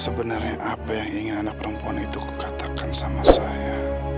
sebenarnya apa yang ingin anak perempuan itu katakan sama saya